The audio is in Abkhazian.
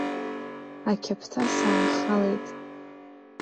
Ақьаԥҭа сааххалеит.